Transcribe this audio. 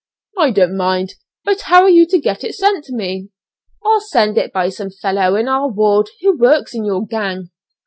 "I don't mind, but how are you to get it sent to me?" "I'll send it by some fellow in our ward who works in your gang."